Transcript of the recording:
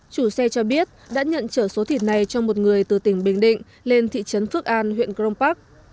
chủ xe cho biết đã nhận trở số thịt này cho một người từ tỉnh bình định lên thị trấn phước an huyện crong park